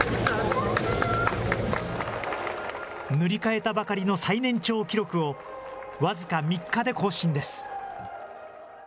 塗り替えたばかりの最年長記録を、僅か３日で更新です。